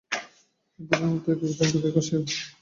এই ভীড়ের মধ্যে একজনকে দেখাউ যাকে সে রহম করবে।